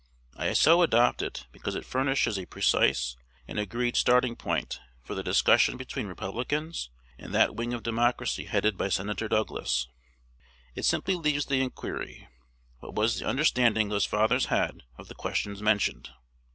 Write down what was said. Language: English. I so adopt it, because it furnishes a precise and agreed starting point for the discussion between Republicans and that wing of Democracy headed by Senator Douglas. It simply leaves the inquiry, "What was the understanding those fathers had of the questions mentioned?"